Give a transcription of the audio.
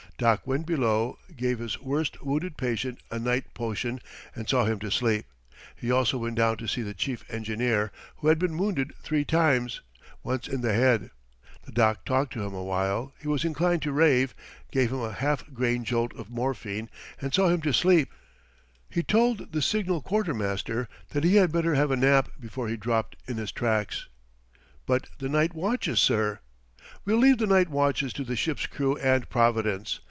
Doc went below, gave his worst wounded patient a night potion and saw him to sleep. He also went down to see the chief engineer, who had been wounded three times once in the head. The Doc talked to him awhile he was inclined to rave gave him a half grain jolt of morphine and saw him to sleep. He told the signal quartermaster that he had better have a nap before he dropped in his tracks. "But the night watches, sir?" "We'll leave the night watches to the ship's crew and Providence.